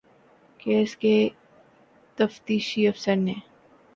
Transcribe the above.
case کے تفتیشی افسر نے